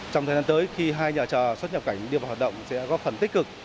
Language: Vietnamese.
trong thời gian tới khi hai nhà chờ xuất nhập cảnh đi vào hoạt động sẽ góp phần tích cực